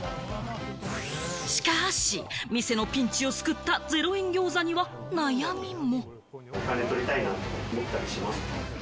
しかし店のピンチを救った０円餃子には悩みも。